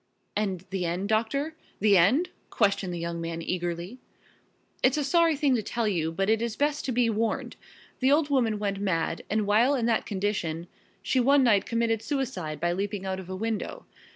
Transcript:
"And the end, doctor, the end?" questioned the young man eagerly. "It's a sorry thing to tell you, but it is best to be warned. The old woman went mad and while in that condition she one night committed suicide by leaping out of a window.